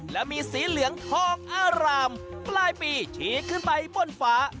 และมีสีเหลืองทองอารามปลายปีฉีกขึ้นไปบนฟ้า